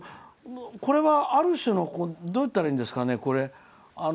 これは、ある種のどう言ったらいいんですかね。